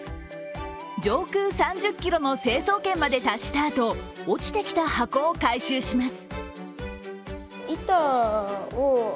上空３０ｋｍの成層圏まで達したあと落ちてきた箱を回収します。